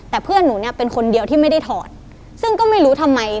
แต่เพื่อนหนูเนี่ยเป็นคนเดียวที่ไม่ได้ถอดซึ่งก็ไม่รู้ทำไม